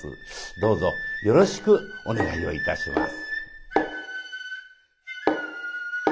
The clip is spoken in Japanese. どうぞよろしくお願いをいたします。